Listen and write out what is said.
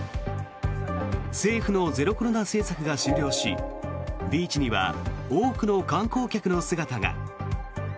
政府のゼロコロナ政策が終了しビーチには多くの観光客の姿が。